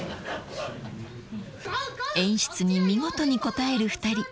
［演出に見事に応える２人］